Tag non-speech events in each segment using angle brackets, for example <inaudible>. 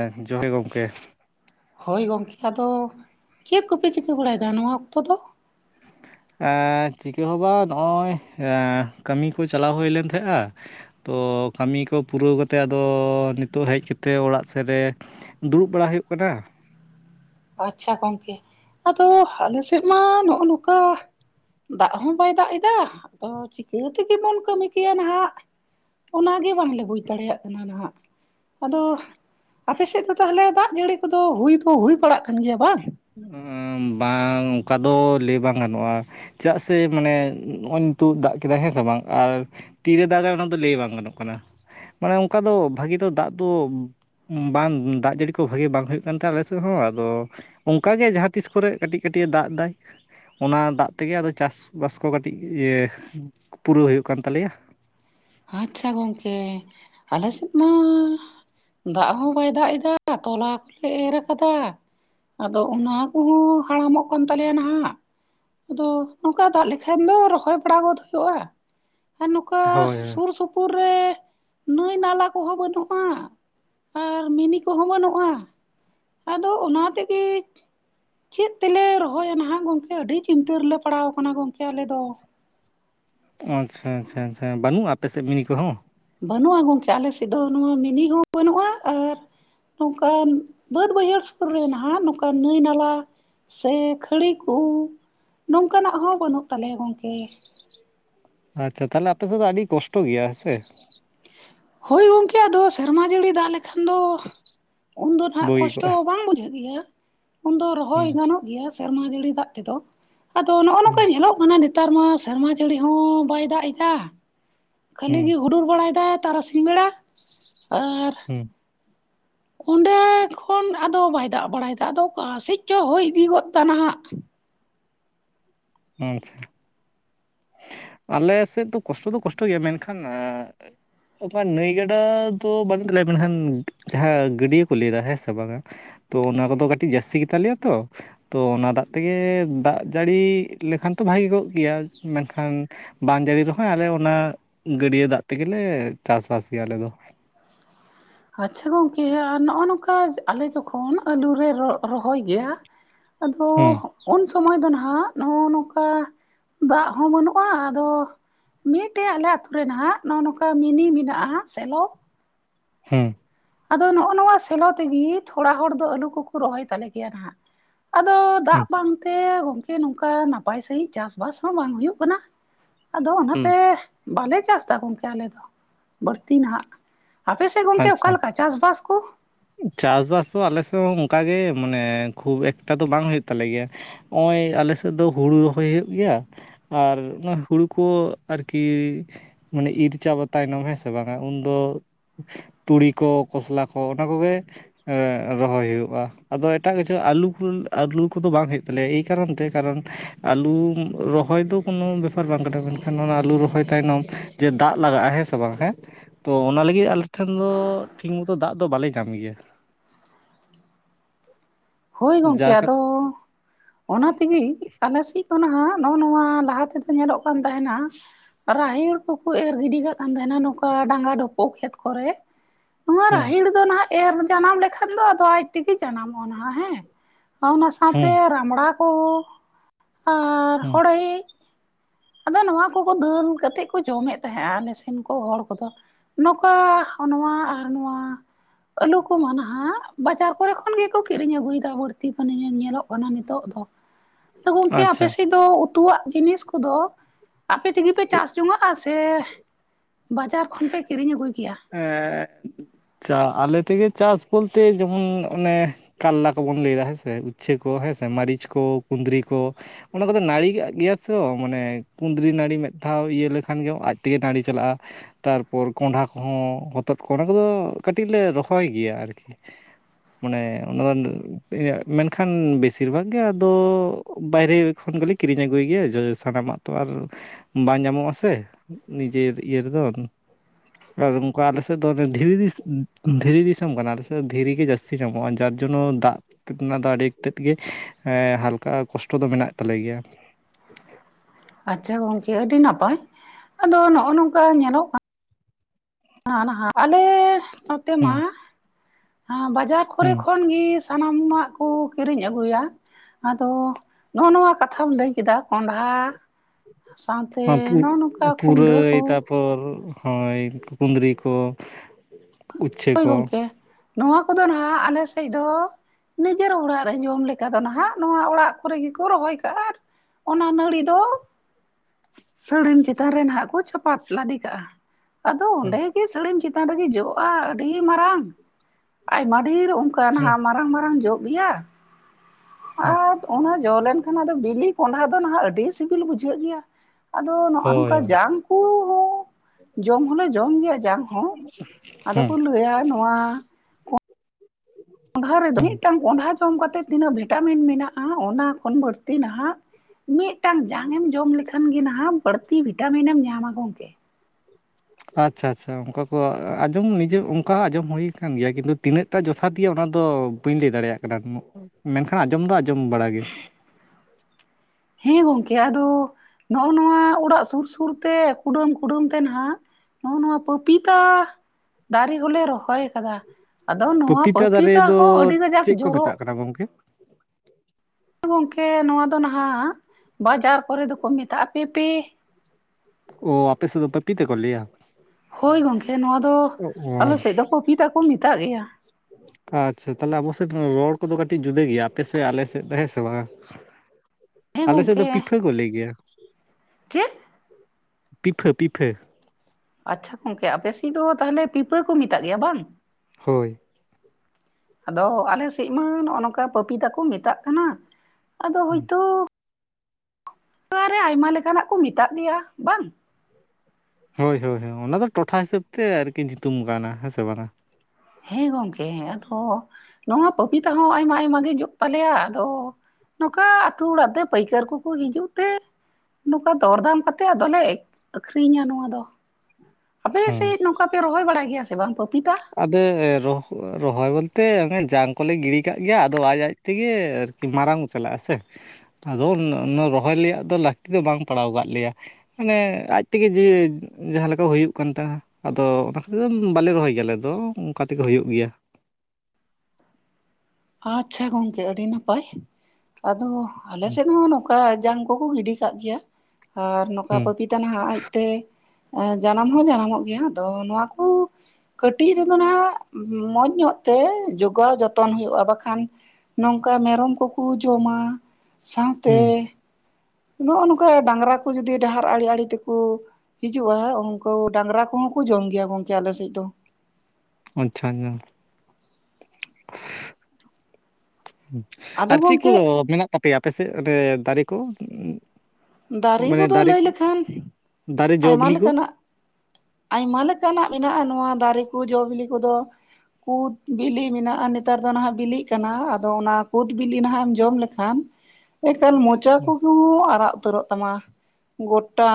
ᱦᱮᱸ ᱡᱚᱦᱮ ᱜᱚᱝᱠᱮ ᱦᱳᱭ ᱜᱚᱝᱠᱮ ᱟᱫᱚ ᱪᱮᱫ ᱠᱚᱯᱮ ᱪᱤᱠᱟᱹ ᱵᱟᱲᱟᱭ ᱫᱟ ᱱᱚᱣᱟ ᱚᱠᱛᱚ ᱫᱚ? ᱟᱸ ᱪᱤᱠᱟᱹ ᱦᱚᱸ ᱵᱟ ᱱᱚᱜ-ᱚᱭ ᱟᱸ ᱠᱟᱹᱢᱤ ᱠᱚ ᱪᱟᱞᱟᱣ ᱦᱩᱭ ᱞᱮᱱ ᱛᱟᱦᱮᱸᱜ-ᱟ ᱛᱚ ᱠᱟᱹᱢᱤ ᱠᱚ ᱯᱩᱨᱟᱹᱣ ᱠᱟᱛᱮ ᱟᱫᱚ ᱱᱤᱛᱚᱜ ᱦᱮᱡ ᱠᱮᱛᱮᱡ ᱚᱲᱟᱜ ᱥᱮᱫ ᱨᱮ ᱫᱩᱲᱩᱵ ᱵᱟᱲᱟ ᱦᱩᱭᱩᱜ ᱠᱟᱱᱟ᱾ ᱟᱪᱪᱷᱟ ᱜᱚᱝᱠᱮ ᱟᱫᱚ ᱟᱞᱮ ᱥᱮᱫ ᱢᱟ ᱱᱚᱜᱚ ᱱᱚ <inaudible> ᱫᱟᱜ ᱦᱚᱸ ᱵᱟᱭ ᱫᱟᱜ ᱮᱫᱟ ᱟᱫᱚ ᱪᱤᱠᱟᱹ ᱛᱮᱜᱤ ᱵᱚᱱ ᱠᱟᱹᱢᱤ ᱠᱮᱭᱟ ᱱᱟᱸᱦᱟᱜ ᱚᱱᱟᱜᱮ ᱵᱟᱝᱞᱮ ᱵᱩᱡᱽ ᱫᱟᱲᱮᱭᱟᱜ ᱠᱟᱱᱟ ᱱᱟᱦᱟᱜ ᱟᱫᱚ ᱟᱯᱮ ᱥᱮᱫ ᱫᱚ ᱛᱟᱦᱞᱮ ᱫᱟᱜ ᱡᱟᱹᱲᱤ ᱠᱚᱫᱚ ᱦᱩᱭ ᱫᱚ ᱦᱩᱭ ᱯᱟᱲᱟᱜ ᱠᱟᱱ ᱜᱮᱭᱟ ᱵᱟᱝ? ᱵᱟᱝ ᱚᱝᱠᱟ ᱫᱚ ᱞᱮᱭ ᱵᱟᱝ ᱜᱟᱱᱚᱜ-ᱟ ᱪᱟᱜ ᱥᱮ ᱢᱟᱱᱮ ᱱᱚᱜ-ᱚᱭ ᱱᱤᱛᱚᱜ ᱫᱟᱜ ᱠᱮᱫᱟᱭ ᱦᱮᱸ ᱥᱮ ᱵᱟᱝ ᱟᱨ ᱛᱤᱨᱮ ᱫᱟᱜᱟᱭ ᱚᱱᱟ ᱫᱚ ᱞᱟᱹᱭ ᱵᱟᱝ ᱜᱟᱱᱚᱜ ᱠᱟᱱᱟ ᱢᱟᱱᱮ ᱚᱝᱠᱟ ᱫᱚ ᱵᱷᱟᱹᱜᱤ ᱫᱚ ᱫᱟᱜ ᱫᱚ ᱵᱟᱝ ᱫᱟᱜ ᱡᱟᱹᱲᱤ ᱠᱚ ᱵᱷᱟᱜᱮ ᱵᱟᱝ ᱦᱩᱭᱩᱜ ᱠᱟᱱᱛᱮ ᱟᱞᱮ ᱥᱮᱫ ᱦᱚᱸ ᱟᱫᱚ ᱚᱝᱠᱟ ᱜᱮ ᱡᱟᱸᱦᱟ ᱛᱤᱥ ᱠᱚᱨᱮᱜ ᱠᱟᱹᱴᱤᱡ ᱠᱟᱹᱴᱤᱡ ᱮ ᱫᱟᱜ ᱫᱟᱭ᱾ ᱚᱱᱟ ᱫᱟᱜ ᱛᱮᱜᱮ ᱟᱫᱚ ᱪᱟᱥ ᱵᱟᱥ ᱠᱚ ᱠᱟᱹᱴᱤᱡ ᱤᱭᱟᱹ ᱯᱩᱨᱟᱹᱣ ᱦᱩᱭᱩᱜ ᱠᱟᱱ ᱛᱟᱞᱮᱭᱟ᱾ ᱟᱪᱪᱷᱟ ᱜᱚᱝᱠᱮ ᱟᱞᱮ ᱥᱮᱫ ᱢᱟ ᱫᱟᱜ ᱦᱚᱸ ᱵᱟᱭ ᱫᱟᱜ ᱮᱫᱟ ᱛᱚᱞᱟ ᱠᱚᱞᱮ ᱮᱨ ᱠᱟᱫᱟ ᱟᱫᱚ ᱚᱱᱟ ᱠᱚᱦᱚᱸ ᱦᱟᱲᱟᱢᱚᱜ ᱠᱟᱱ ᱛᱟᱞᱮᱭᱟ ᱱᱟᱦᱟᱜ ᱟᱫᱚ ᱱᱚᱠᱟ ᱫᱟᱜ ᱞᱮᱠᱷᱟᱱ ᱫᱚ ᱨᱚᱦᱚᱭ ᱵᱟᱲᱟ ᱜᱚᱫ ᱦᱳᱭᱳᱜ-ᱟ ᱟᱨ ᱱᱚᱠᱟ ᱦᱳᱭ ᱦᱳᱭ ᱥᱩᱯᱩᱨ ᱨᱮ ᱱᱟᱹᱭ ᱱᱟᱞᱟ ᱠᱚᱦᱚᱸ ᱵᱟᱹᱱᱩᱜ-ᱟ ᱟᱨ ᱢᱤᱱᱤ ᱠᱚᱦᱚᱸ ᱵᱟᱹᱱᱩᱜ-ᱟ᱾ ᱟᱫᱚ ᱚᱱᱟ ᱛᱮᱜᱮ ᱪᱮᱫ ᱛᱮᱞᱮ ᱨᱚᱦᱚᱭᱟ ᱱᱟᱸᱦᱟᱜ ᱜᱚᱝᱠᱮ ᱟᱹᱰᱤ ᱪᱤᱱᱛᱟᱹ ᱨᱮᱞᱮ ᱯᱟᱲᱟᱣ ᱠᱟᱱᱟ ᱜᱚᱝᱠᱮ ᱟᱞᱮᱫ ᱫᱚ᱾ ᱟᱪᱪᱷᱟ ᱟᱪᱪᱷᱟ ᱟᱪᱪᱷᱟ ᱵᱟᱹᱱᱩᱜ-ᱟ ᱟᱯᱮᱥᱮᱜ ᱢᱤᱱᱤ ᱠᱚᱦᱚᱸ? ᱵᱟᱹᱱᱩᱜ-ᱟ ᱜᱚᱝᱠᱮ ᱟᱞᱮᱥᱮᱜ ᱫᱚ ᱱᱚᱣᱟ ᱢᱤᱱᱤ ᱦᱚᱸ ᱵᱟᱹᱱᱩᱜ-ᱟ ᱟᱨ ᱱᱚᱝᱠᱟᱱ ᱵᱟᱹᱫ ᱵᱟᱹᱭᱦᱟᱹᱲ ᱥᱳᱨ ᱨᱮ ᱦᱮᱸᱱᱟᱜ-ᱟ ᱱᱚᱝᱠᱟ ᱱᱟᱹᱭ ᱱᱟᱞᱟ ᱥᱮ ᱠᱷᱟᱹᱲᱤ ᱠᱩ ᱱᱚᱝᱠᱟ ᱱᱟᱜ ᱦᱚᱸ ᱵᱟᱹᱱᱩᱜ ᱛᱟᱞᱮᱭᱟ ᱜᱚᱝᱠᱮ᱾ ᱟᱪᱪᱷᱟ ᱛᱟᱦᱞᱮ ᱟᱯᱮᱥᱮᱫ ᱫᱚ ᱟᱹᱰᱤ ᱠᱚᱥᱴᱚ ᱜᱮᱭᱟ ᱦᱮᱸ ᱥᱮ᱾ ᱦᱳᱭ ᱜᱚᱝᱠᱮ ᱟᱫᱚ ᱥᱮᱨᱢᱟ ᱡᱟᱹᱲᱤ ᱫᱟᱜᱽ ᱞᱮᱠᱷᱟᱱ ᱫᱚ ᱩᱱᱫᱚ ᱱᱟᱦᱟᱜ ᱵᱳᱜᱮ ᱠᱚᱥᱴᱚ ᱠᱚᱜᱼᱟ ᱵᱟᱝ ᱵᱩᱡᱷᱟᱹᱜ ᱜᱮᱭᱟ᱾ ᱩᱱᱫᱚ ᱨᱚᱦᱚᱭ ᱦᱩᱸ ᱜᱟᱱᱚᱜ ᱜᱮᱭᱟ ᱥᱮᱨᱢᱟ ᱡᱟᱹᱲᱤ ᱫᱟᱜ ᱛᱮᱫᱚ ᱟᱫᱚ ᱱᱚᱜᱼᱚ ᱱᱚᱜᱚ ᱱᱚᱝᱠᱟ ᱧᱮᱞᱚᱜ ᱠᱟᱱᱟ ᱱᱤ ᱛᱟᱨ ᱢᱟ ᱥᱮᱨᱢᱟ ᱡᱟᱹᱲᱤ ᱦᱚᱸ ᱵᱟᱭ ᱫᱟᱜ ᱮᱫᱟ ᱠᱷᱟᱹᱞᱤ ᱦᱩᱸ ᱜᱤᱭ ᱦᱩᱰᱩᱨ ᱵᱟᱲᱟᱭ ᱛᱟ ᱛᱨᱟᱥᱤᱧ ᱵᱮᱲᱟ ᱟᱨ ᱦᱩᱸ ᱚᱸᱰᱮ ᱠᱷᱚᱱ ᱟᱫᱚ ᱵᱟᱭ ᱫᱟᱜ ᱵᱟᱲᱟᱭ ᱫᱟ ᱟᱫᱚ ᱚᱠᱟ ᱥᱮᱜ ᱪᱚᱭ ᱦᱚᱭ ᱤᱫᱤ ᱜᱚᱫ ᱫᱟ ᱱᱟᱦᱟᱜ᱾ ᱟᱪᱷᱟ ᱟᱞᱮ ᱥᱮᱫ ᱫᱚ ᱠᱚᱥᱴᱚ ᱫᱚ ᱠᱚᱥᱴᱚ ᱜᱮᱭᱟ ᱢᱮᱱᱠᱷᱟᱱ ᱚᱠᱟ ᱱᱟᱹᱭ ᱜᱟᱰᱟ ᱫᱚ ᱵᱟᱹᱱᱩᱜ ᱛᱟᱞᱮᱭᱟ ᱢᱮᱱᱠᱷᱟᱱ ᱡᱟᱦᱟᱸ ᱜᱟᱹᱰᱭᱟᱹ ᱠᱚ ᱞᱟᱹᱭ ᱫᱟ ᱦᱮᱸ ᱥᱮ ᱵᱟᱝᱟ ᱛᱚ ᱚᱱᱟ ᱠᱚᱫᱚ ᱠᱟᱹᱴᱤᱡ ᱡᱟᱹᱥᱛᱤ ᱜᱮᱛᱟ ᱞᱮᱭᱟ ᱛᱚ ᱛᱚ ᱚᱱᱟ ᱫᱟᱜ ᱛᱮᱜᱮ ᱫᱟᱜ ᱡᱟᱹᱲᱤ ᱞᱮᱠᱷᱟᱱ ᱛᱚ ᱵᱷᱟᱜᱮ ᱠᱚᱜ ᱠᱮᱭᱟ ᱢᱮᱱᱠᱷᱟᱱ ᱵᱟᱝ ᱡᱟᱹᱲᱤ ᱨᱮᱦᱚᱸᱭ ᱟᱞᱮ ᱚᱱᱟ ᱜᱟᱹᱰᱭᱟᱹ ᱫᱟᱜ ᱛᱮᱜᱮᱞᱮ ᱪᱟᱥᱵᱟᱥ ᱜᱮᱭᱟ ᱟᱞᱮ ᱫᱚ᱾ ᱟᱪᱪᱷᱟ ᱜᱚᱝᱠᱮ ᱱᱚᱸᱜ-ᱱᱚᱠᱟ ᱟᱞᱮ ᱡᱚᱠᱷᱚᱱ ᱟᱹᱞᱩ ᱨᱮ ᱨᱚ ᱨᱚᱦᱚᱭ ᱜᱮᱭᱟ ᱟᱫᱚ ᱦᱩᱸ ᱩᱱ ᱥᱚᱢᱚᱭ ᱫᱚ ᱱᱟᱦᱟᱸᱜ ᱱᱚᱸᱜ-ᱱᱚᱠᱟ ᱫᱟᱜ ᱦᱚᱸ ᱵᱟᱹᱱᱩᱜ-ᱟ ᱟᱫᱚ ᱢᱤᱫᱴᱮᱡ ᱟᱞᱮ ᱟᱛᱩ ᱨᱮ ᱱᱟᱦᱟᱸᱜ ᱱᱚᱜ-ᱚ ᱱᱚᱠᱟ ᱢᱤᱱᱤ ᱢᱮᱱᱟᱜ-ᱟ ᱥᱮᱞᱚ ᱦᱩᱸ᱾ ᱟᱫᱚ ᱱᱚᱸᱜ-ᱚ ᱱᱚᱣᱟ ᱥᱮᱞᱟ ᱛᱮᱜᱤ ᱛᱷᱚᱲᱟ ᱦᱚᱲ ᱫᱚ ᱟᱹᱞᱩ ᱠᱚᱠᱚ ᱨᱚᱦᱚᱭ ᱛᱟᱞᱮ ᱜᱮᱭᱟ ᱱᱟᱦᱟᱸᱜ, ᱟᱫᱚ ᱫᱟᱜ ᱟᱪᱪᱷᱟ ᱵᱟᱝᱛᱮ ᱜᱚᱝᱠᱮ ᱱᱚᱝᱠᱟ ᱱᱟᱯᱟᱭ ᱥᱟᱹᱦᱤᱡ ᱪᱟᱥ ᱵᱟᱥ ᱦᱚᱸ ᱵᱟᱝ ᱦᱩᱭᱩᱜ ᱠᱟᱱᱟ᱾ ᱟᱫᱚ ᱦᱩᱸ ᱚᱱᱟᱛᱮ ᱵᱟᱞᱮ ᱪᱟᱥᱫᱟ ᱜᱚᱝᱠᱮ ᱟᱞᱮ ᱫᱚ ᱵᱟᱹᱲᱛᱤ ᱱᱟᱦᱟᱸᱜ᱾ ᱟᱯᱮᱥᱮᱫ ᱜᱚᱝᱠᱮ ᱚᱠᱟᱞᱮᱠᱟ ᱪᱟᱥ-ᱵᱟᱥ ᱠᱚ? ᱪᱟᱥ ᱵᱟᱥ ᱫᱚ ᱟᱞᱮ ᱥᱮᱫ ᱦᱚᱸ ᱚᱝᱠᱟᱜᱮ ᱢᱟᱱᱮ ᱠᱷᱩᱵᱽ ᱮᱠᱴᱟ ᱫᱚ ᱵᱟᱝ ᱦᱩᱭᱩᱜ ᱛᱟᱞᱮ ᱜᱮᱭᱟ᱾ ᱚᱸᱭ ᱟᱞᱮ ᱥᱮᱫ ᱫᱚ ᱦᱩᱲᱩ ᱨᱚᱦᱚᱭ ᱦᱩᱭᱩᱜ ᱜᱮᱭᱟ, ᱟᱨ ᱱᱚᱦ ᱦᱩᱲᱩ ᱠᱚ ᱟᱨᱠᱤ ᱢᱟᱱᱮ ᱤᱨ ᱪᱟᱵᱟ ᱛᱟᱭᱱᱚᱢ ᱦᱮᱸᱥᱮ ᱵᱟᱝᱟ ᱩᱱᱫᱚ ᱛᱩᱲᱤ ᱠᱚ ᱠᱚᱥᱞᱟ ᱠᱚ ᱚᱱᱟ ᱠᱚᱜᱮ ᱟ ᱨᱚᱦᱚᱭ ᱦᱩᱭᱩᱜᱼᱟ ᱟᱫᱚ ᱮᱴᱟᱜ ᱠᱤᱪᱷᱩ ᱟᱹᱞᱩ ᱠᱚ ᱟᱹᱞᱩ ᱠᱚᱫᱚ ᱵᱟᱝ ᱦᱩᱭᱩᱜ ᱛᱟᱞᱮᱭᱟ ᱮᱭ ᱠᱟᱨᱚᱱ ᱛᱮ ᱠᱟᱨᱚᱱ ᱟᱹᱞᱩ ᱨᱚᱦᱚᱭ ᱫᱚ ᱠᱳᱱᱳ ᱵᱮᱯᱟᱨ ᱵᱟᱝ ᱠᱟᱱᱟ ᱢᱮᱱᱠᱷᱟᱱ ᱚᱱᱟ ᱟᱹᱞᱩ ᱨᱚᱦᱚᱭ ᱛᱟᱭᱱᱚᱢ ᱡᱮ ᱫᱟᱜ ᱞᱟᱜᱟᱜᱼᱟ ᱦᱮᱸᱥᱮ ᱵᱟᱝ ᱦᱮᱸ ᱛᱚ ᱚᱱᱟ ᱞᱟᱹᱜᱤᱫ ᱟᱞᱮ ᱴᱷᱮᱱ ᱫᱚ ᱴᱷᱤᱠ ᱢᱚᱛᱚ ᱫᱟᱜ ᱫᱚ ᱵᱟᱞᱮ ᱠᱟᱢ ᱜᱮᱭᱟ᱾ ᱦᱳᱭ ᱜᱚᱝᱠᱮ ᱡᱟ ᱠᱟᱛ ᱟᱫᱚ ᱚᱱᱟ ᱛᱮᱜᱮ ᱟᱞᱮ ᱥᱮᱫ ᱫᱚ ᱱᱟᱦᱟᱸᱜ ᱱᱚᱜᱼᱚ ᱱᱚᱣᱟ ᱞᱟᱦᱟ ᱛᱮᱫᱚ ᱧᱮᱞᱚᱜ ᱠᱟᱱ ᱛᱟᱦᱮᱸᱱᱟ ᱨᱟᱦᱮᱲ ᱠᱚᱠᱚ ᱮᱨ ᱜᱤᱰᱤ ᱠᱟᱜ ᱠᱟᱱ ᱛᱟᱦᱮᱸᱱᱟ ᱱᱚᱝᱠᱟ ᱰᱟᱸᱜᱟ ᱰᱳᱯᱳ ᱠᱷᱮᱛ ᱠᱚᱨᱮ᱾ ᱱᱚᱣᱟ ᱦᱩᱸ ᱨᱟᱦᱮᱲ ᱫᱚ ᱱᱟᱦᱟᱸᱜ ᱮᱨ ᱡᱟᱱᱟᱢ ᱞᱮᱠᱷᱟᱱ ᱫᱚ ᱟᱫᱚ ᱟᱡ ᱛᱮᱜᱮ ᱡᱟᱱᱟᱢᱚᱜᱼᱟ ᱱᱟᱦᱟᱸᱜ ᱦᱮᱸ᱾ ᱚᱱᱟ ᱥᱟᱶᱛᱮ ᱦᱩᱸ ᱨᱟᱢᱲᱟ ᱠᱚ ᱟᱨ ᱦᱩᱸ ᱦᱚᱲᱮᱡᱽ ᱟᱫᱚ ᱱᱚᱣᱟ ᱠᱚᱠᱚ ᱫᱷᱟᱹᱞ ᱠᱟᱛᱮᱜᱽ ᱠᱚ ᱡᱚᱢᱮᱫ ᱛᱟᱦᱮᱸᱜᱼᱟ ᱟᱞᱮ ᱥᱮᱱ ᱠᱚ ᱦᱚᱲ ᱠᱚᱫᱚ᱾ ᱱᱚᱝᱠᱟ ᱱᱚᱣᱟ ᱟᱨ ᱱᱚᱣᱟ ᱟᱹᱞᱩ ᱠᱚᱢᱟ ᱱᱟᱦᱟᱸᱜ ᱵᱟᱡᱟᱨ ᱠᱚᱨᱮ ᱠᱷᱚᱱ ᱜᱮᱠᱚ ᱠᱤᱨᱤᱧ ᱟᱹᱜᱩᱭᱫᱟ ᱵᱟᱹᱲᱛᱤ ᱫᱚ ᱧᱮᱞ ᱧᱮᱞᱚᱜ ᱠᱟᱱᱟ ᱱᱤᱛᱚᱜ ᱫᱚ᱾ ᱟᱫᱚ ᱜᱚᱝᱠᱮ ᱟᱪᱪᱷᱟ ᱟᱯᱮ ᱥᱮᱫ ᱫᱚ ᱩᱛᱩᱣᱟᱜ ᱡᱤᱱᱤᱥ ᱠᱚᱫᱚ ᱟᱯᱮ ᱛᱮᱜᱮ ᱯᱮ ᱪᱟᱥ ᱡᱚᱝᱟᱜ-ᱟ ᱥᱮ ᱵᱟᱡᱟᱨ ᱠᱷᱚᱱ ᱯᱮ ᱠᱤᱨᱤᱧ ᱟᱹᱜᱩᱭ ᱜᱮᱭᱟ? ᱮᱸᱜ ᱪᱟ ᱟᱞᱮ ᱛᱮᱜᱮ ᱪᱟᱥ ᱵᱚᱞᱛᱮ ᱡᱮᱢᱚᱱ ᱚᱱᱮ ᱠᱟᱞᱞᱟ ᱠᱚᱵᱚᱱ ᱞᱟᱹᱭ ᱫᱟ ᱦᱮᱸᱥᱮ ᱩᱪᱷᱟᱹ ᱠᱚ ᱦᱮᱸᱥᱮ ᱢᱟᱹᱨᱤᱪ ᱠᱚ ᱠᱩᱸᱫᱽᱨᱤ ᱠᱚ, ᱚᱱᱟ ᱠᱚᱫᱚ ᱱᱟᱹᱲᱤ ᱠᱟᱜ ᱜᱮᱭᱟ ᱛᱚ ᱢᱟᱱᱮ ᱠᱩᱸᱫᱽᱨᱤ ᱱᱟᱹᱲᱤ ᱢᱤᱫ ᱫᱷᱟᱣ ᱤᱭᱟᱹ ᱞᱮᱠᱷᱟᱱ ᱜᱮ ᱟᱡ ᱛᱮᱜᱮ ᱱᱟᱹᱲᱤ ᱪᱟᱞᱟᱜᱼᱟ᱾ ᱛᱟᱨᱯᱚᱨ ᱠᱚᱸᱰᱷᱟ ᱠᱚᱦᱚᱸ ᱦᱚᱛᱚᱫ ᱠᱚ ᱚᱱᱟ ᱠᱚᱫᱚ ᱠᱟᱹᱴᱤᱡ ᱞᱮ ᱨᱚᱦᱚᱭ ᱜᱮᱭᱟ ᱟᱨᱠᱤ᱾ <inaudible> ᱢᱟᱱᱮ ᱚᱱᱟ <unintelligible> ᱢᱮᱱᱠᱷᱟᱱ ᱵᱮᱥᱤᱨ ᱵᱷᱟᱜᱽ ᱜᱮ ᱟᱫᱚ ᱵᱟᱭᱨᱮ ᱠᱷᱚᱱ ᱜᱮᱞᱤᱧ ᱠᱤᱨᱤᱧ ᱟᱹᱜᱩᱭ ᱜᱮᱭᱟ ᱡᱮᱡ ᱥᱟᱱᱟᱢᱟᱜ ᱛᱚ ᱟᱨ ᱵᱟᱝ ᱧᱟᱢᱚᱜᱼᱟ ᱥᱮ ᱱᱤᱡᱮᱨ ᱤᱭᱟᱹ ᱨᱮᱫᱚ᱾ ᱟᱨ ᱚᱱᱠᱟ ᱟᱞᱮᱥᱮᱫ ᱫᱚ ᱫᱷᱤᱨᱤ ᱨᱤᱥ ᱫᱷᱤᱨᱤ ᱫᱤᱥᱚᱢ ᱠᱟᱱᱟ ᱟᱞᱮᱥᱮᱫ ᱫᱚ ᱫᱷᱤᱨᱤ ᱜᱮ ᱡᱟᱹᱥ ᱥᱤ ᱧᱟᱢᱚᱜᱼᱟ ᱡᱟᱨ ᱡᱚᱱᱱᱳ ᱫᱟᱜ ᱨᱮᱱᱟᱜ ᱫᱚ ᱟᱹᱰᱤ ᱛᱮᱫ ᱜᱮ ᱮᱸ ᱦᱟᱞᱠᱟ ᱠᱚᱥᱴᱚ ᱫᱚ ᱢᱮᱱᱟᱜ ᱛᱟᱞᱮ ᱜᱮᱭᱟ᱾ ᱟᱪᱷᱟ ᱜᱚᱝᱠᱮ ᱟᱹᱰᱤ ᱱᱟᱯᱟᱭ ᱟᱫᱚ ᱱᱚᱜᱼᱚ ᱱᱚᱝᱠᱟ ᱧᱮᱞᱚᱜ ᱠᱟᱱᱟ ᱱᱟᱦᱟᱸᱜ ᱟᱞᱮ ᱱᱚᱛᱮ ᱢᱟ ᱵᱟᱡᱟᱨ ᱠᱚᱨᱮ ᱦᱩᱸ ᱠᱷᱚᱱ ᱠᱷᱚᱱ ᱜᱮ ᱥᱟᱱᱟᱢᱟᱜ ᱠᱚ ᱠᱤᱨᱤᱧ ᱟᱹᱜᱩᱭᱟ-᱾ ᱟᱫᱚ ᱱᱚᱜᱼᱚ ᱱᱚᱣᱟ ᱠᱟᱛᱷᱟᱢ ᱞᱟᱹᱭ ᱠᱮᱫᱟ ᱠᱚᱸᱰᱦᱷᱟ ᱥᱟᱣᱛᱮ ᱱᱚᱜᱼᱚ ᱱᱚᱝᱠᱟ ᱠᱩᱢᱰᱟᱹ ᱠᱚ᱾ ᱯᱚᱨ ᱦᱚᱸᱳᱭ ᱠᱩᱸᱫᱽᱨᱤ ᱠᱚ᱾ ᱩᱪᱷᱟᱹ ᱦᱳᱭ ᱠᱚ ᱜᱚᱝᱠᱮ ᱱᱚᱣᱟ ᱠᱚᱫᱚ ᱱᱦᱟᱜ ᱟᱞᱮ ᱥᱮᱡ ᱫᱚ ᱱᱤᱡᱟᱹᱨ ᱚᱲᱟᱜ ᱨᱮ ᱡᱚᱢ ᱞᱮᱠᱟ ᱫᱚ ᱱᱦᱟᱜ ᱱᱚᱣᱟ ᱚᱲᱟᱜ ᱠᱚᱨᱮ ᱜᱮᱠᱚ ᱨᱚᱦᱚᱭ ᱠᱟᱜᱼᱟ ᱟᱨ ᱚᱱᱟ ᱱᱟᱹᱲᱤ ᱫᱚ ᱥᱟᱹᱲᱤᱢ ᱪᱮᱛᱟᱱ ᱨᱮ ᱱᱟᱦᱟᱜ ᱠᱚ ᱪᱟᱯᱟᱫ ᱞᱟᱫᱮ ᱠᱟᱜᱼᱟ᱾ ᱟᱫᱚ ᱦᱩᱸ ᱚᱸᱰᱮ ᱜᱮ ᱥᱟᱹᱲᱤᱢ ᱪᱮᱛᱟᱱ ᱨᱮᱜᱮ ᱡᱚᱜᱼᱟ᱾ ᱟᱹᱰᱤ ᱢᱟᱨᱟᱝ ᱟᱭᱢᱟ ᱰᱷᱮᱨ ᱚᱱᱠᱟ ᱦᱩᱸ ᱱᱦᱟᱜ ᱢᱟᱨᱟᱝ ᱢᱟᱨᱟᱝ ᱡᱚᱜ ᱜᱮᱭᱟ᱾ ᱦᱩᱸ ᱟᱫ ᱚᱱᱟ ᱡᱚ ᱞᱮᱱ ᱠᱷᱟᱱ ᱵᱤᱞᱤ ᱠᱚᱱᱰᱷᱟ ᱫᱚ ᱱᱦᱟᱜ ᱟᱹᱰᱤ ᱥᱤᱵᱤᱞ ᱵᱩᱡᱷᱟᱹᱜ ᱜᱮᱭᱟ᱾ ᱟᱫᱚ ᱱᱚᱜᱼᱚ ᱦᱳᱭ ᱱᱚᱝᱠᱟ ᱦᱳᱭ ᱡᱟᱝ ᱠᱚᱦᱚᱸ ᱡᱚᱢ ᱦᱚᱞᱮ ᱡᱚᱢ ᱜᱮᱭᱟ ᱡᱟᱝ ᱦᱚᱸ᱾ <inaudible> ᱟᱫᱚ ᱠᱚ ᱞᱟᱹᱭᱟ ᱱᱚᱣᱟ ᱠᱸᱰᱷᱟ ᱨᱮᱫᱚ ᱦᱩᱸ ᱢᱤᱫᱴᱟᱱ ᱠᱚᱸᱰᱷᱟ ᱡᱚᱢ ᱠᱟᱛᱮᱫ ᱛᱤᱱᱟᱹᱜ ᱵᱷᱤᱴᱟᱢᱤᱱ ᱢᱮᱱᱟᱜᱼᱟ ᱚᱱᱟ ᱠᱷᱚᱱ ᱵᱟᱹᱲᱛᱤ ᱱᱦᱟᱜ ᱢᱤᱫᱽᱴᱟᱝ ᱡᱟᱝᱢ ᱮᱢ ᱡᱚᱢ ᱞᱮᱠᱷᱟᱱ ᱜᱮ ᱱᱟᱦᱟᱜ ᱵᱟᱹᱲᱛᱤ ᱵᱷᱤᱴᱟᱢᱤᱱ ᱮᱢ ᱧᱟᱢᱟ ᱜᱚᱝᱠᱮ᱾ ᱟᱪᱪᱷᱟ ᱟᱪᱪᱷᱟ ᱚᱱᱠᱟ ᱠᱚ ᱟᱸᱡᱚᱢ ᱱᱤᱡᱟᱸ ᱚᱝᱠᱟ ᱦᱚᱸ ᱟᱸᱡᱚᱢ ᱦᱩᱭ ᱟᱠᱟᱱ ᱜᱮᱭᱟ ᱠᱤᱱᱛᱩ ᱛᱤᱱᱟᱹᱜ ᱮᱴᱟᱜ ᱡᱚᱛᱷᱟᱛ ᱜᱮ ᱚᱱᱟ ᱫᱚ ᱵᱟᱹᱧ ᱞᱟᱹᱭ ᱫᱟᱲᱮᱭᱟᱜ ᱠᱟᱱᱟ᱾ ᱢᱮᱱᱠᱷᱟᱱ ᱟᱸᱡᱚᱢ ᱫᱚ ᱟᱸᱡᱚᱢ ᱵᱟᱲᱟ ᱜᱮ᱾ ᱦᱮᱸ ᱜᱚᱝᱠᱮ ᱟᱫᱚ ᱱᱚᱜᱼᱚ ᱱᱚᱣᱟ ᱚᱲᱟᱜ ᱥᱩᱨ ᱥᱩᱨ ᱛᱮ ᱠᱩᱰᱟᱹᱢ ᱠᱩᱰᱟᱹᱢ ᱛᱮ ᱱᱟᱦᱟᱜ ᱱᱚᱜᱼᱚ ᱱᱚᱣᱟ ᱯᱟᱯᱤᱛᱟ ᱫᱟᱨᱮ ᱦᱚᱞᱮ ᱨᱚᱦᱚᱭ ᱠᱟᱫᱟ᱾ ᱟᱫᱚ ᱱᱚᱣᱟ ᱯᱟᱠᱷᱤ ᱫᱚ ᱦᱚᱸᱚᱸ ᱟᱹᱰᱤ ᱠᱟᱡᱟᱠ ᱡᱚᱨᱚᱜ ᱟᱫᱚ ᱜᱚᱢᱠᱮ ᱜᱚᱝᱠᱮ ᱱᱚᱣᱟ ᱫᱚ ᱱᱟᱦᱟᱜ ᱵᱟᱡᱟᱨ ᱠᱚᱨᱮ ᱫᱚᱠᱚ ᱢᱮᱛᱟᱜᱼᱟ ᱯᱮᱯᱮ᱾ <inaudible> ᱚ ᱟᱯᱮ ᱥᱮᱫ ᱫᱚ ᱯᱟᱯᱤᱛᱟ ᱠᱚ ᱞᱟᱹᱭᱟ? ᱦᱳᱭ ᱜᱚᱢᱠᱮ ᱱᱚᱣᱟ ᱫᱚ ᱚ ᱚ ᱟᱞᱮ ᱥᱮᱫ ᱫᱚ ᱯᱟᱯᱤᱛᱟ ᱠᱚ ᱢᱮᱛᱟᱜ ᱜᱮᱭᱟ᱾ ᱟᱪᱪᱷᱟ ᱛᱟᱦᱚᱞᱮ ᱟᱵᱚ ᱥᱮᱫ ᱫᱚ ᱨᱚᱲ ᱠᱚᱫᱚ ᱠᱟᱹᱴᱤᱡ ᱡᱩᱫᱟᱹ ᱜᱮᱭᱟ ᱟᱯᱮᱥᱮᱫ ᱟᱞᱮ ᱥᱮᱫ ᱫᱚ ᱦᱮᱸ ᱥᱮ ᱵᱟᱝᱟ᱾ ᱦᱮᱸ ᱟᱞᱮ ᱥᱮᱫ ᱫᱚ ᱜᱚᱝᱠᱮ ᱯᱤᱯᱷᱟᱹ ᱠᱚ ᱞᱟᱹᱭ ᱜᱮᱭᱟ᱾ ᱪᱮᱫ? ᱯᱤᱯᱷᱟᱹ ᱯᱤᱯᱷᱟᱹ᱾ ᱟᱪᱪᱷᱟ ᱜᱚᱝᱠᱮ ᱟᱯᱮᱥᱮᱫ ᱫᱚ ᱛᱟᱦᱚᱞᱮ ᱯᱤᱯᱟᱹ ᱠᱚ ᱢᱮᱛᱟᱜ ᱜᱮᱭᱟ ᱵᱟᱝ? ᱦᱳᱭ᱾ ᱟᱫᱚ ᱟᱞᱮ ᱥᱮᱫ ᱢᱟ ᱱᱚᱜ-ᱚ ᱱᱚᱝᱠᱟ ᱯᱟᱯᱤ ᱛᱟᱠᱚ ᱢᱮᱛᱟᱜ ᱠᱟᱱᱟ᱾ ᱟᱫᱚ ᱦᱭᱛᱳ ᱨᱮ ᱟᱭᱢᱟ ᱞᱮᱠᱟᱱᱟᱜ ᱠᱚ ᱢᱮᱛᱟᱜ ᱜᱮᱭᱟ ᱵᱟᱝ? ᱦᱳᱭ ᱦᱳᱭ ᱦᱳᱭ ᱚᱱᱟ ᱫᱚ ᱴᱚᱴᱷᱟ ᱦᱤᱥᱟᱹᱵ ᱛᱮ ᱟᱨᱠᱤ ᱧᱩᱛᱩᱢ ᱟᱠᱟᱱᱟ᱾ ᱦᱮᱸ ᱥᱮ ᱵᱟᱝᱟ? ᱦᱮᱸ ᱜᱚᱢᱠᱮ ᱟᱫᱚ ᱱᱚᱣᱟ ᱯᱟᱯᱤᱛᱟ ᱦᱚᱸ ᱟᱭᱢᱟ ᱟᱭᱢᱟ ᱜᱮ ᱡᱚᱜ ᱛᱟᱞᱮᱭᱟ᱾ ᱟᱫᱚ ᱱᱚᱠᱟ ᱟᱛᱩ ᱚᱲᱟᱜ ᱛᱮ ᱯᱟᱹᱭᱠᱟᱹᱨ ᱠᱚᱠᱚ ᱦᱤᱡᱩᱜ ᱛᱮ ᱱᱚᱝᱠᱟ ᱫᱚᱨᱫᱟᱢ ᱠᱟᱛᱮᱫ ᱟᱫᱚᱞᱮ ᱟᱠᱷᱨᱤᱧᱟ ᱱᱚᱣᱟ ᱫᱚ᱾ ᱦᱮᱸ ᱟᱯᱮᱥᱮᱫ ᱱᱚᱝᱠᱟ ᱯᱮ ᱨᱚᱦᱚᱭ ᱵᱟᱲᱟᱭ ᱜᱮᱭᱟ ᱥᱮ ᱵᱟᱝ ᱯᱟᱯᱤᱛᱟ? ᱟᱫᱚ ᱮ ᱨᱚᱦ ᱨᱚᱦᱚᱭ ᱵᱚᱞᱛᱮ ᱚᱱᱮ ᱡᱟᱝ ᱠᱚᱞᱮ ᱜᱤᱲᱤ ᱠᱟᱜ ᱜᱮᱭᱟ᱾ ᱟᱫᱚ ᱟᱡ ᱟᱡ ᱛᱮᱜᱮ ᱟᱨᱠᱤ ᱢᱟᱨᱟᱝ ᱪᱟᱞᱟᱜᱼᱟ ᱥᱮ? ᱟᱫᱚ ᱚᱱᱱᱟ ᱚᱱᱱᱟ ᱨᱚᱦᱚᱭ ᱞᱮᱭᱟᱜ ᱫᱚ ᱞᱟᱹᱠᱛᱤ ᱫᱚ ᱵᱟᱝ ᱯᱟᱲᱟᱣ ᱠᱟᱫ ᱞᱮᱭᱟ᱾ ᱢᱟᱱᱮ ᱟᱡ ᱛᱮᱜᱮ ᱡᱮ ᱡᱟᱦᱟᱸ ᱞᱮᱠᱟ ᱦᱩᱭᱩᱜ ᱠᱟᱱ ᱛᱟ᱾ ᱟᱫᱚ ᱚᱱᱟ ᱠᱷᱟᱹᱛᱤᱨ ᱫᱚ ᱵᱟᱞᱮ ᱨᱚᱦᱚᱭ ᱜᱮᱭᱟ ᱟᱞᱮ ᱫᱚ, ᱚᱱᱠᱟ ᱛᱮᱜᱮ ᱦᱩᱭᱩᱜ ᱜᱮᱭᱟ᱾ ᱟᱪᱪᱷᱟ ᱜᱚᱝᱠᱮ ᱟᱹᱰᱤ ᱱᱟᱯᱟᱭ᱾ ᱟᱫᱚ ᱟᱞᱮ ᱥᱮᱫ ᱦᱚᱸ ᱱᱚᱝᱠᱟ ᱡᱟᱝ ᱠᱚ ᱠᱚ ᱜᱤᱰᱤ ᱠᱟᱜ ᱜᱮᱭᱟ ᱟᱨ ᱱᱚᱝᱠᱟ ᱦᱩᱸ ᱯᱟᱯᱤᱛ ᱦᱚ ᱟᱡᱛᱮ ᱡᱟᱱᱟᱢ ᱦᱚᱸ ᱡᱟᱱᱟᱢᱚᱜ ᱜᱮᱭᱟ, ᱟᱫᱚ ᱱᱚᱣᱟ ᱠᱚ ᱠᱟᱹᱴᱤᱡ ᱨᱮᱫᱚ ᱟᱜ ᱢᱚᱸᱡᱽ ᱧᱚᱜ ᱛᱮ ᱡᱚᱜᱟᱣ ᱡᱚᱛᱚᱱ ᱦᱩᱭᱩᱜᱼᱟ᱾ ᱵᱟᱠᱷᱟᱱ ᱱᱚᱝᱠᱟ ᱢᱮᱨᱚᱢ ᱠᱚᱠᱚ ᱡᱚᱢᱟ, ᱥᱟᱶᱛᱮ ᱦᱩᱸ ᱱᱚᱜᱼᱚ ᱱᱚᱝᱠᱟ ᱰᱟᱝᱨᱟ ᱠᱚ ᱡᱫᱤ ᱰᱟᱦᱟᱨ ᱟᱲᱮ ᱟᱲᱮ ᱛᱮ ᱠᱚ, ᱦᱤᱡᱩᱜᱼᱟᱜ ᱩᱱᱠᱩ ᱰᱟᱝᱨᱟ ᱠᱚᱦᱚᱸ ᱠᱚ ᱡᱚᱢ ᱜᱮᱭᱟ ᱜᱚᱝᱠᱮ ᱟᱞᱮᱥᱮᱡ ᱫᱚ᱾ ᱟᱪᱪᱷᱟ ᱟᱪᱪᱷᱟ ᱾ ᱟᱫᱚ ᱟᱨ ᱪᱮᱫ ᱠᱚ ᱜᱚᱝᱠᱮ ᱢᱮᱱᱟᱜ ᱛᱟᱯᱮᱭᱟ ᱟᱯᱮ ᱥᱮᱫ ᱫᱟᱨᱮ ᱠᱚ? ᱫᱟᱨᱮ ᱠᱚᱫᱚ ᱞᱟᱹᱭ ᱞᱮᱠᱷᱟᱱ ᱫᱟᱨᱮ ᱡᱚ ᱟᱭᱢᱟ ᱵᱤᱞᱤ ᱠᱚ ᱞᱮᱠᱟᱱᱟᱜ ᱾ ᱟᱭᱢᱟ ᱞᱮᱠᱟᱱᱟᱜ ᱢᱮᱱᱟᱜᱼᱟ, ᱱᱚᱣᱟ ᱫᱟᱨᱮ ᱠᱚ ᱡᱚ ᱵᱤᱞᱤ ᱠᱚ ᱫᱚ ᱾ ᱠᱩᱫ ᱵᱤᱞᱤ ᱢᱮᱱᱟᱜᱼᱟ ᱱᱮᱛᱟᱨ ᱫᱚ ᱱᱟᱦᱟᱜ ᱵᱤᱞᱤᱜ ᱠᱟᱱᱟ, ᱟᱫᱚ ᱚᱱᱟ ᱠᱩᱫ ᱵᱤᱞᱤ ᱱᱟᱦᱟᱜ ᱮᱢ ᱡᱚᱢ ᱞᱮᱠᱷᱟᱱ <inaudible> ᱮᱠᱟᱞ ᱢᱚᱪᱟ ᱠᱚᱦᱚ ᱟᱨᱟᱜ ᱩᱛᱟᱹᱨᱚᱜ ᱛᱟᱢᱟ᱾ ᱜᱚᱴᱟ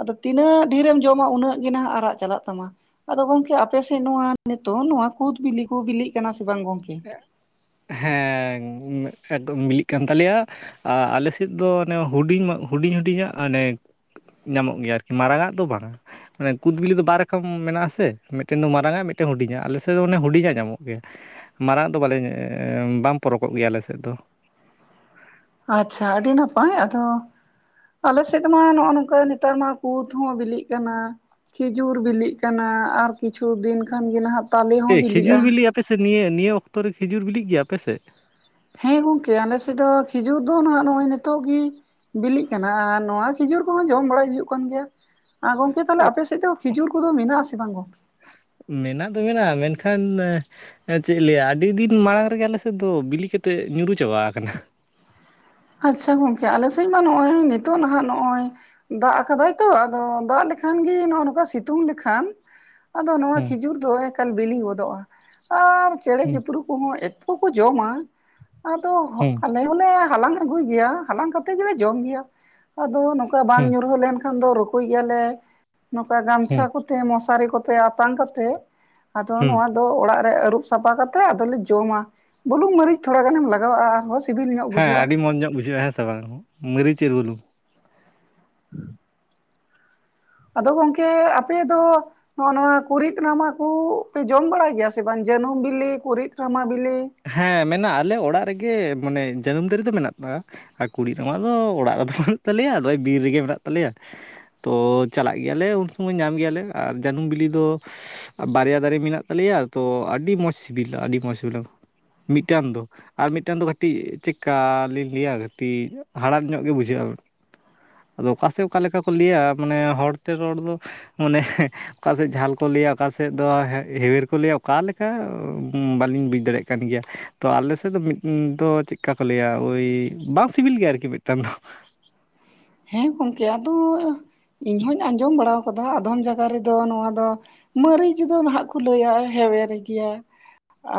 ᱟᱫᱚ ᱛᱤᱱᱟᱹᱜ ᱰᱷᱮᱨᱮᱢ ᱡᱚᱢᱟ, ᱩᱱᱟᱹᱜ ᱜᱮ ᱱᱟᱟᱜ ᱟᱨᱟᱜ ᱪᱟᱞᱟᱜ ᱛᱟᱢᱟ᱾ ᱟᱫᱚ ᱜᱚᱝᱠᱮ ᱟᱯᱮᱥᱮᱫ ᱱᱚᱣᱟ ᱱᱤᱛᱚᱜ ᱱᱚᱣᱟ ᱠᱩᱫ ᱵᱤᱞᱤ ᱠᱚ ᱵᱤᱞᱤᱜ ᱠᱟᱱᱟ ᱥᱮ ᱵᱟᱝ ᱜᱚᱝᱠᱮ? ᱦᱮᱸ ᱮᱠᱫᱚᱢ ᱢᱤᱞᱤᱜ ᱠᱟᱱ ᱛᱟᱞᱮᱭᱟ ᱾ ᱟᱞᱮ ᱥᱮᱫ ᱫᱚ ᱚᱱᱮ ᱦᱩ ᱦᱩᱰᱤᱧ ᱦᱩᱰᱤᱧᱟᱜ ᱟᱱᱮ, ᱧᱟᱢᱚᱜ ᱜᱮᱭᱟ ᱟᱨᱠᱤ ᱢᱟᱨᱟᱝ ᱟᱜ ᱫᱚ ᱵᱟᱝᱟ᱾ ᱢᱟᱱᱮ ᱠᱩᱫ ᱵᱤᱞᱤ ᱫᱚ ᱵᱟᱨ ᱨᱟᱠᱟᱚᱢ ᱢᱮᱱᱟᱜ ᱟᱥᱮ, ᱢᱤᱫᱴᱮᱱ ᱫᱚ ᱢᱟᱨᱟᱝᱜ ᱢᱤᱫᱴᱮᱱ ᱦᱩᱰᱤᱧᱟ ᱟᱞᱮ ᱥᱮᱜ ᱫᱚ ᱚᱱᱮ ᱦᱩᱰᱤᱧᱟ ᱧᱟᱢᱚᱜ ᱜᱮᱭᱟ᱾ ᱢᱟᱨᱟᱝ ᱫᱚ ᱵᱟᱞᱮ ᱵᱟᱢ ᱯᱚᱨᱚᱜ ᱜᱮᱭᱟ ᱟᱞᱮᱥᱮᱜ ᱫᱚ᱾ ᱟᱪᱪᱷᱟ ᱟᱹᱰᱤ ᱱᱟᱯᱟᱭ, ᱟᱫᱚ ᱟᱞᱮ ᱥᱮᱫ ᱢᱟ ᱱᱚᱜᱼᱚᱭ ᱱᱚᱝᱠᱟ ᱱᱮᱛᱟᱨ ᱢᱟ ᱠᱩᱛ ᱦᱚᱸ ᱵᱤᱞᱤᱜ ᱠᱟᱱᱟ᱾ ᱠᱷᱤᱡᱩᱨ ᱵᱤᱞᱤᱜ ᱠᱟᱱᱟ ᱟᱨ ᱠᱤᱪᱷᱩ ᱫᱤᱱ ᱠᱷᱟᱱ ᱜᱮ ᱱᱟᱦᱟᱜ ᱛᱟᱞᱮ ᱮ ᱦᱚᱸ ᱠᱷᱮᱡᱩᱨ ᱵᱤᱞᱤᱜᱼᱟ ᱵᱤᱞᱤᱜ ᱟᱯᱮᱥᱮᱫ ᱱᱤᱭᱟᱹ ᱱᱤᱭᱟᱹ ᱚᱠᱛᱚᱨᱮ ᱠᱷᱮᱡᱩᱨ ᱵᱤᱞᱤᱜ ᱜᱮᱭᱟ ᱟᱯᱮᱥᱮᱜ ᱾ ᱦᱮᱸ ᱜᱚᱝᱠᱮ ᱟᱞᱮ ᱥᱮᱫ ᱫᱚ ᱠᱷᱤᱡᱩᱨ ᱫᱚ ᱦᱟᱜ ᱱᱚᱜᱼᱚᱭ ᱱᱤᱛᱚᱜ ᱜᱤ ᱵᱤᱞᱤᱜ ᱠᱟᱱᱟ ᱟᱨ ᱱᱚᱣᱟ ᱠᱷᱤᱡᱩᱨ ᱠᱚᱦᱚᱸ ᱡᱚᱢ ᱵᱟᱲᱟᱭ ᱦᱩᱭᱩᱜ ᱠᱟᱱ ᱜᱮᱭᱟ, ᱟᱨ ᱜᱚᱝ ᱠᱮ ᱛᱟᱦᱚᱞᱮ ᱚ, ᱟᱯᱮ ᱥᱮᱡ ᱫᱚ ᱠᱷᱤᱡᱩᱨ ᱠᱚᱫᱚ ᱢᱮᱱᱟᱜ-ᱟ ᱥᱮ ᱵᱟᱝ ᱜᱚᱝᱠᱮ? ᱢᱮᱱᱟᱜ ᱫᱚ ᱢᱮᱱᱟᱜ-ᱟ, ᱢᱮᱱᱠᱷᱟᱱ ᱮᱸ ᱪᱮᱜ ᱞᱟᱹᱭᱟ ᱟᱹᱰᱤ ᱫᱤᱱ ᱢᱟᱬᱟᱝ ᱨᱮᱜᱮ ᱟᱞᱮ ᱥᱮᱜ ᱫᱚ ᱵᱤᱞᱤ ᱠᱟᱛᱮᱜ ᱧᱩᱨᱩ ᱪᱟᱵᱟᱣ ᱟᱠᱟᱱᱟ᱾ ᱟᱪᱪᱷᱟ ᱜᱚᱝᱠᱮ ᱟᱞᱮ ᱥᱮᱡ ᱢᱟ ᱱᱚᱜᱼᱚᱭ ᱱᱤᱛᱚᱜ ᱱᱟᱦᱟᱸᱜ ᱱᱚᱜ-ᱚᱸᱭ ᱫᱟᱜ ᱟᱠᱟ ᱫᱟᱭ ᱛᱚ, ᱟᱫᱚ ᱫᱟᱜ ᱞᱮᱠᱷᱟᱱ ᱜᱮ ᱱᱚᱜᱼᱚ ᱱᱚᱠᱟ ᱥᱤᱛᱩᱝ ᱞᱮᱠᱷᱟᱱ ᱟᱫᱚ ᱱᱚᱣᱟ ᱦᱩᱸ ᱠᱷᱤᱡᱩᱨ ᱫᱚ ᱮᱠᱟᱞ ᱵᱤᱞᱤ ᱜᱚᱫᱚᱜᱼᱟ, ᱟᱨ ᱪᱮᱬᱮ ᱦᱩᱸ ᱪᱤᱯᱨᱩᱜ ᱠᱩ ᱦᱚᱸ ᱮᱛᱚ ᱠᱚ ᱡᱚᱢᱟ ᱟᱫᱚ ‌ᱦᱚ ᱦᱩᱸ ᱟᱞᱮ ᱦᱚᱸ ᱞᱮ ᱦᱟᱞᱟᱝ ᱟᱜᱩᱭ ᱜᱮᱭᱟ ᱦᱟᱞᱟᱝ ᱠᱟᱛᱮᱜ ᱜᱮᱞᱮ ᱡᱚᱢ ᱜᱮᱭᱟ, ᱟᱫᱚ ᱱᱚᱝᱠᱟ ᱵᱟᱝ ᱦᱩᱸ ᱧᱩᱨᱦᱟᱹ ᱞᱮᱱ ᱠᱷᱟᱱ ᱫᱚ ᱨᱩᱠᱩᱭ ᱜᱮᱭᱟ ᱞᱮ ᱱᱚᱝᱠᱟ ᱦᱩᱸ ᱜᱟᱢᱪᱷᱟ ᱠᱚᱛᱮ ᱢᱚᱥᱟᱨᱤ ᱠᱚᱛᱮ ᱟᱛᱟᱝ ᱠᱟᱛᱮᱜ᱾ ᱟᱫᱚ ᱦᱩᱸ ᱱᱚᱶᱟ ᱫᱚ ᱚᱲᱟᱜ ᱨᱮ ᱟᱹᱨᱩᱵ ᱥᱟᱯᱷᱟ ᱠᱟᱛᱮᱜ ᱟᱫᱚ ᱞᱮ ᱡᱚᱢᱟ ᱵᱩᱞᱩᱝ ᱢᱟᱹᱨᱤᱪ ᱛᱷᱚᱲᱟ ᱜᱟᱱᱮᱢ ᱞᱟᱜᱟᱣᱟᱜᱼᱟ᱾ ᱥᱤᱵᱤᱞ ᱧᱚᱜ ᱦᱮᱸ ᱵᱩᱡᱷᱟᱹᱜᱼᱟ᱾ ᱟᱰᱤ ᱢᱚᱸᱡᱽ ᱧᱚᱜ ᱵᱩᱡᱷᱟᱹᱜᱼᱟ ᱦᱮᱸ ᱥᱮ ᱵᱟᱝ ᱦᱚᱸ ᱢᱟᱹᱨᱤᱪ ᱟᱨ ᱵᱩᱞᱩᱝ? ᱟᱫᱚ ᱜᱚᱝᱠᱮ ᱟᱯᱮ ᱫᱚ ᱱᱚᱜ-ᱚ ᱱᱚᱣᱟ ᱠᱩᱸᱨᱤᱫ ᱨᱟᱢᱟ ᱠᱚᱯᱮ ᱡᱚᱢ ᱵᱟᱲᱟᱭ ᱜᱮᱭᱟ ᱥᱮ ᱵᱟᱝ, ᱡᱟᱹᱱᱩᱢ ᱵᱤᱞᱤ, ᱠᱩᱸᱨᱤᱫ ᱨᱟᱢᱟ ᱵᱤᱞᱤ? ᱦᱮᱸ ᱢᱮ ᱟᱞᱮ ᱚᱲᱟᱜ ᱨᱮᱜᱮ ᱢᱟᱱᱮ ᱡᱟᱹᱱᱩᱢ ᱫᱟᱨᱮ ᱫᱚ ᱢᱮᱱᱟᱜᱼᱟ᱾ ᱟᱨ ᱠᱩᱬᱤᱜ ᱨᱟᱢᱟ ᱫᱚ ᱚᱲᱟᱜ ᱨᱮᱫᱚ ᱵᱟᱹᱱᱩᱜ ᱛᱟᱞᱮᱭᱟ ᱱᱚᱜᱼᱚᱭ ᱵᱤᱨ ᱨᱮᱜᱮ ᱢᱮᱱᱟᱜ ᱛᱟᱞᱮᱭᱟ᱾ ᱛᱚ ᱪᱟᱞᱟᱜ ᱜᱮᱭᱟ ᱞᱮ ᱩᱱ ᱥᱚᱢᱚᱭ ᱧᱟᱢ ᱜᱮᱭᱟ ᱞᱮ, ᱟᱨ ᱡᱟᱱᱩᱢ ᱵᱤᱞᱤ ᱫᱚ ᱵᱟᱨᱭᱟ ᱫᱟᱨᱮ ᱢᱮᱱᱟᱜ ᱛᱟᱞᱮᱭᱟ ᱛᱚ ᱟᱰᱤ ᱢᱚᱪ ᱥᱤᱵᱤᱞᱟ ᱟᱰᱤ ᱢᱚᱪ ᱥᱤᱵᱤᱞᱟ᱾ ᱢᱤᱫᱴᱟᱱ ᱫᱚ᱾ ᱟᱨ ᱢᱤᱫᱴᱟᱱ ᱫᱚ ᱠᱟᱴᱤᱡ ᱪᱮᱠᱠᱟ ᱞᱤᱧ ᱞᱟᱹᱭᱟ, ᱠᱟᱹᱴᱤᱡ ᱦᱟᱲᱟᱢ ᱧᱚᱜ ᱜᱮ ᱵᱩᱡᱷᱟᱹᱜᱼᱟ᱾ ᱟᱫᱚ ᱚᱠᱟ ᱥᱮᱜ ᱚᱠᱟ ᱞᱮᱠᱟ ᱠᱚ ᱞᱟᱹᱭᱟ, ᱢᱟᱱᱮ ᱦᱚᱲ ᱛᱮ ᱨᱚᱲ ᱫᱚ᱾ ᱢᱚᱱᱮ ᱚᱠᱟ ᱥᱮᱜ ᱡᱷᱟᱞ ᱠᱚ ᱞᱟᱹᱭᱟ, ᱚᱠᱟ ᱥᱮᱜ ᱫᱚ ᱦᱮᱣ ᱦᱮᱣᱮᱨ ᱠᱚ ᱞᱟᱹᱭᱟ ᱚᱠᱟ ᱞᱮᱠ <inaudible> ᱵᱟᱞᱤᱧ ᱵᱩᱡᱽ ᱫᱟᱲᱮᱭᱟᱜ ᱠᱟᱱ ᱜᱮᱭᱟ᱾ ᱛᱚ ᱟᱞᱮ ᱥᱮᱜ ᱫᱚ <inaudible> ᱫᱚ ᱪᱮᱜ ᱠᱟ ᱠᱚ ᱞᱟᱹᱭᱟ, ᱳᱭ ᱵᱟᱝ ᱥᱤᱵᱤᱞ ᱜᱮᱭᱟ ᱟᱨᱠᱤ ᱢᱤᱫᱴᱟᱱ ᱫᱚ᱾ ᱦᱮᱸ ᱜᱚᱝᱠᱮ ᱟᱫᱚ, ᱤᱧ ᱦᱚᱧ ᱟᱸᱡᱚᱢ ᱵᱟᱲᱟᱣ ᱠᱟᱫᱟ ᱟᱫᱷᱟᱢ ᱡᱟᱭᱜᱟ ᱨᱮᱫᱚ ᱱᱚᱣᱟ ᱫᱚ ᱢᱟᱹᱨᱤᱪ ᱫᱚ ᱱᱟᱦᱟᱸᱜ ᱠᱚ ᱞᱟᱹᱭᱟ ᱦᱮᱣᱮᱨ ᱜᱮᱭᱟ᱾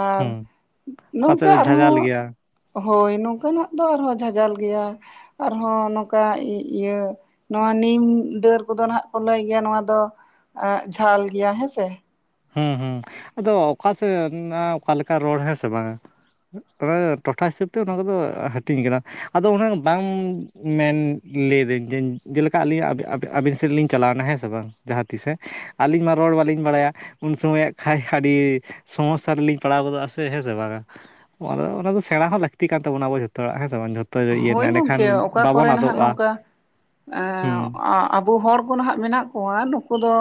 ᱟᱨ ᱦᱮᱸ ᱚᱠᱟ ᱥᱮᱫ ᱱᱚᱝᱠᱟ ᱫᱚ ᱟᱨ ᱡᱷᱟᱡᱟᱞ ᱦᱚᱸ ᱜᱮᱭᱟ ᱦᱳᱭ ᱱᱚᱝᱠᱟ ᱱᱟᱜ ᱫᱚ ᱟᱨ ᱦᱚᱸ ᱡᱷᱟᱡᱟᱞ ᱜᱮᱭᱟ ᱟᱨ ᱦᱚᱸ ᱱᱚᱝᱠᱟ <inaudible> ᱤᱭᱟᱹ ᱱᱚᱣᱟ ᱱᱤᱢ ᱰᱟᱹᱨ ᱠᱚᱫᱚ ᱱᱟᱦᱟᱸᱜ ᱠᱚ ᱞᱟᱹᱭ ᱜᱮᱭᱟ ᱱᱚᱣᱟ ᱫᱚ ᱮᱸᱜ ᱡᱷᱟᱞ ᱜᱮᱭᱟ ᱦᱮᱸ ᱥᱮ᱾ ᱦᱩᱸ ᱦᱩᱸ ᱟᱫᱚ ᱚᱠᱟ ᱥᱮᱱ ᱱᱟᱜ ᱚᱠᱟ ᱞᱮᱠᱟ ᱨᱚᱲ ᱦᱮᱸ ᱥᱮ ᱵᱟᱝ᱾ ᱚᱱᱟ ᱫᱟ ᱴᱚᱴᱷᱟ ᱦᱤᱥᱟᱹᱵᱽ ᱛᱮ ᱚᱱᱟ ᱠᱚᱫᱚ ᱦᱟᱹᱴᱤᱧ ᱠᱟᱱᱟ᱾ ᱟᱫᱚ ᱚᱱᱟ ᱵᱟᱝ ᱢᱮᱱ ᱞᱟᱹᱭ ᱟᱫᱟᱹᱧ ᱡᱮ ᱡᱮᱞᱮᱠᱟ ᱟᱹᱞᱤᱧᱟᱜ ᱟᱵᱮ ᱟᱵᱮ ᱟᱵᱤᱱ ᱥᱮᱫ ᱞᱤᱧ ᱪᱟᱞᱟᱣ ᱮᱱᱟ ᱦᱮᱸ ᱥᱮ ᱵᱟᱝ᱾ ᱡᱟᱸᱦᱟᱸ ᱛᱤᱥᱮ ᱟᱞᱤᱧ ᱢᱟ ᱨᱚᱲ ᱵᱟᱞᱤᱧ ᱵᱟᱲᱟᱭᱟ᱾ ᱩᱱ ᱥᱚᱢᱚᱭᱟᱜ ᱠᱷᱟᱡ ᱟᱰᱤ ᱥᱚᱢᱚᱥᱥᱟ ᱨᱮᱞᱤᱧ ᱯᱟᱲᱟᱣ ᱜᱚᱫᱚᱜ-ᱟ ᱥᱮ ᱦᱮᱸ ᱥᱮ ᱵᱟᱝ-ᱟ᱾ <inaudible> ᱚᱱᱟ ᱫᱚ ᱥᱮᱬᱟ ᱦᱚᱸ ᱞᱟᱠᱛᱤ ᱠᱟᱱ ᱛᱵᱚᱱᱟ ᱟᱵᱚ ᱡᱚᱛᱚ ᱦᱚᱲᱟᱜ ᱦᱮᱸ ᱥᱮ ᱵᱟᱝ ᱡᱚᱛ ᱦᱳᱭ ᱜᱚᱝᱠᱮ ᱚᱠᱟ ᱠᱚᱨᱮ ᱱᱟᱦᱟᱸᱜ ᱱᱚᱝᱠᱟ ᱮᱸ ᱦᱩᱸ ᱟᱸᱜ᱾ ᱟᱵᱚ ᱦᱚᱲ ᱠᱚ ᱱᱟᱦᱟᱸᱜ ᱢᱮᱱᱟᱜ ᱠᱚᱣᱟ ᱱᱩᱠᱩ ᱫᱚ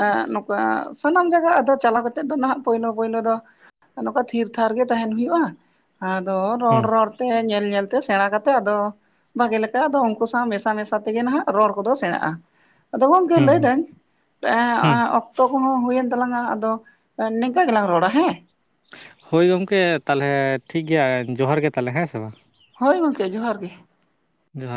ᱮᱸᱜ ᱱᱚᱠ <inaudible> ᱥᱟᱱᱟᱢ ᱡᱟᱭᱜᱟ ᱟᱫᱚ ᱪᱟᱞᱟᱣ ᱠᱟᱛᱮᱜ ᱫᱚ ᱱᱟᱦᱟᱸᱜ ᱯᱳᱭᱞᱳ ᱯᱳᱭᱞᱳ ᱫᱚ ᱟ ᱱᱚᱝᱠᱟ ᱛᱷᱤᱨ ᱛᱷᱟᱨ ᱜᱮ ᱛᱟᱦᱮᱱ ᱦᱩᱭᱩᱜ-ᱟ, ᱟᱫᱚ ᱨᱚᱲ ᱦᱩᱸ ᱨᱚᱲ ᱛᱮ ᱧᱮᱞ ᱧᱮᱞ ᱛᱮ ᱥᱮᱬᱟ ᱠᱟᱛᱮᱜ ᱟᱫᱚ ᱵᱷᱟᱜᱮ ᱞᱮᱠᱟ ᱟᱫᱚ ᱩᱱᱠᱩ ᱥᱟᱶ ᱢᱮᱥᱟ ᱢᱮᱥᱟ ᱛᱮᱜᱮ ᱱᱟᱦᱟᱸᱜ ᱨᱚᱲ ᱠᱚᱫᱚ ᱥᱮᱬᱟᱜ-ᱟ᱾ ᱟᱫᱚ ᱜᱚᱝᱠᱮ ᱦᱩᱸ ᱞᱟᱹᱭ ᱦᱩᱸ ᱮᱫᱟᱹᱧ ᱦᱩᱸ <inaudible> ᱚᱠᱛᱚ ᱠᱚᱦᱚᱸ ᱦᱩᱭᱮᱱ ᱛᱟᱞᱟᱝ-ᱟ, ᱟᱫᱚ ᱮ ᱱᱤᱝᱠᱟ ᱜᱮᱞᱟᱝ ᱨᱚᱲᱟ ᱦᱮᱸ᱾ ᱦᱳᱭ ᱜᱚᱝᱠᱮ ᱛᱟᱞᱦᱮ ᱴᱷᱤᱠ ᱜᱮᱭᱟ ᱡᱚᱦᱟᱨ ᱜᱮ ᱛᱟᱦᱞᱮ ᱦᱮᱸ ᱥᱮ ᱵᱟᱝ᱾ ᱦᱳᱭ ᱜᱚᱝᱠᱮ ᱡᱚᱦᱟᱨ ᱜᱮ᱾ ᱡᱚᱦᱟᱨ